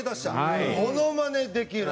モノマネできる。